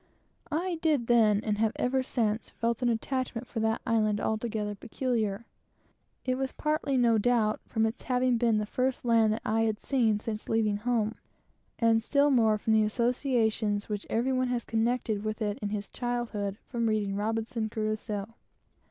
I did then, and have ever since, felt an attachment for that island, altogether peculiar. It was partly, no doubt, from its having been the first land that I had seen since leaving home, and still more from the associations which every one has connected with it in their childhood from reading Robinson Crusoe.